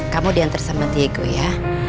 kamu diantar sama diaku ya